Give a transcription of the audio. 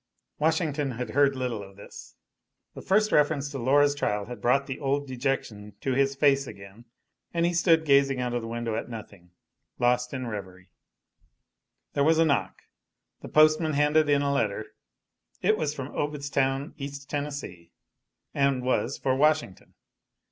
Washington had heard little of this. The first reference to Laura's trial had brought the old dejection to his face again, and he stood gazing out of the window at nothing, lost in reverie. There was a knock the postman handed in a letter. It was from Obedstown, East Tennessee, and was for Washington.